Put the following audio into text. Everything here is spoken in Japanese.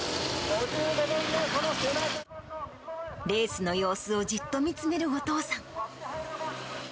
レースの様子をじっと見つめるお父さん。